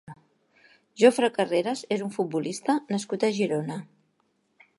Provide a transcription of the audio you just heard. Jofre Carreras és un futbolista nascut a Girona.